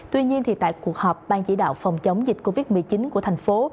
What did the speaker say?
tuy nhiên tại cuộc họp ban chỉ đạo phòng chống dịch covid một mươi chín của thành phố